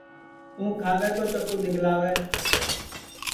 توں کھاوے تو چکُو دِؔگکاوے